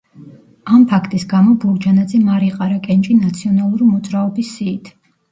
ამ ფაქტის გამო ბურჯანაძემ არ იყარა კენჭი „ნაციონალური მოძრაობის“ სიით.